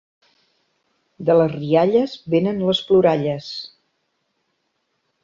De les rialles venen les ploralles.